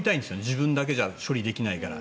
自分だけじゃ処理できないから。